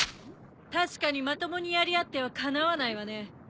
確かにまともにやり合ってはかなわないわね。